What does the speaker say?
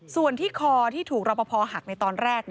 ส่วนที่คอที่ถูกรอปภหักในตอนแรก